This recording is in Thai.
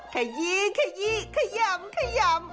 ขยีขยำ